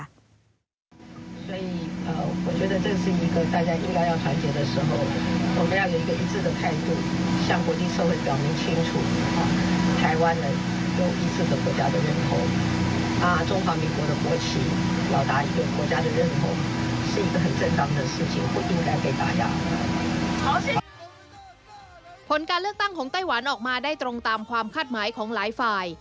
ผลการเลือกตั้งของไต้หวันออกมาได้ตรงตามความคาดหมายของหลายฝ่าย